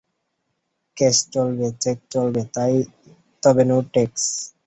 Cash চলবে, cheque চলবে, তবে নো ট্যাক্স।